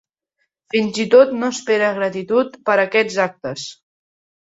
Fins i tot no espera gratitud per aquests actes.